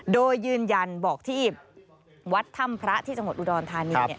โดยยืนยันบอกที่วัดถ้ำพระที่จังหวัดอุดรธานี